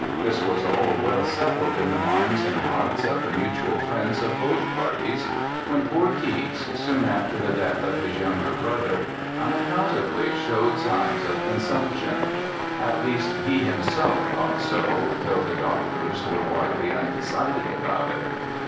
This was all well settled in the minds and hearts of the mutual friends of both parties, when poor Keats, soon after the death of his younger brother, unaccountably showed signs of consumption; at least, he himself thought so, though the doctors were widely undecided about it.